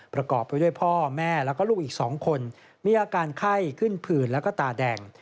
ประกอบไปด้วยพ่อแม่แล้วก็ลูกอีก๒คนมีอาการไข้ขึ้นผื่นแล้วก็ตาแดง